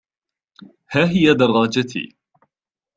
ها هي دراجتي.